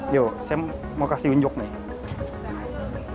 yo saya mau kasih unjuk nih